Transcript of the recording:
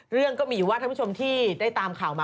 เรื่องก็มีอยู่ว่าท่านผู้ชมที่ได้ตามข่าวมา